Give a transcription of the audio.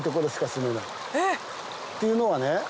えっ！っていうのはね